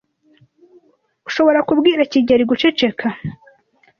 Ushobora kubwira kigeli guceceka?